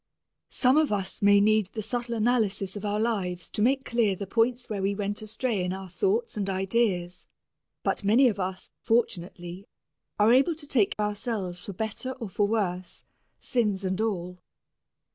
Some of us may need the subtle analysis of our lives to make clear the points where we went astray in our thoughts and ideas, but many of us, fortunately, are able to take ourselves for better or for worse, sins and all.